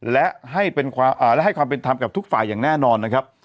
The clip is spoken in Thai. และให้ความเป็นธรรมกับทุกฝ่ายอย่างแน่นอนนะครับ